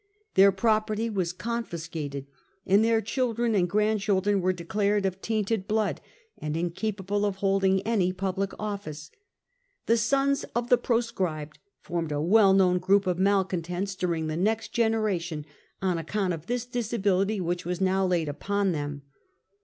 Their property was confiscated, and their children and grandchildren were declared of tainted blood and incapable of holding any public office. The " sons of the proscribed " formed a well known group of malcontents during the next generation, on account of this disability which was now laid upon them.